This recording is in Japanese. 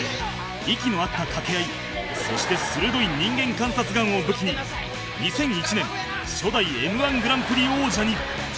息の合った掛け合いそして鋭い人間観察眼を武器に２００１年初代 Ｍ−１ グランプリ王者に